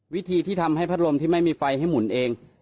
วิธีที่ทำให้พัดลมที่ไม่มีไฟให้หมุนเอง